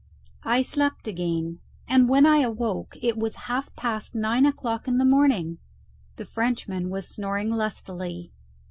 I slept again, and when I awoke it was half past nine o'clock in the morning. The Frenchman was snoring lustily.